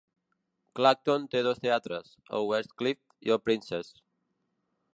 Clacton té dos teatres, el West Cliff i el Princes.